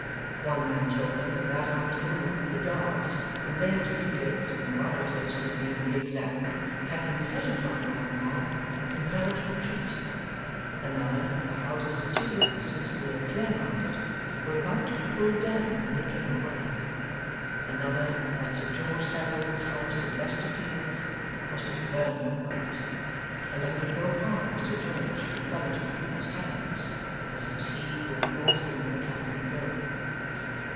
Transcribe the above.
One man told them that that afternoon the Guards, conveying to Newgate some rioters who had been re examined, had been set upon by the mob and compelled to retreat; another, that the houses of two witnesses near Clare Market were about to be pulled down when he came away; another, that Sir George Saville's house in Leicester Fields was to be burned that night, and that it would go hard with Sir George if he fell into the people's hands, as it was he who had brought in the Catholic bill.